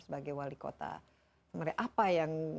sebagai wali kota apa yang